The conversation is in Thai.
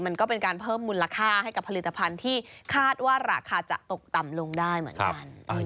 มันก็เป็นการเพิ่มมูลค่าให้กับผลิตภัณฑ์ที่คาดว่าราคาจะตกต่ำลงได้เหมือนกัน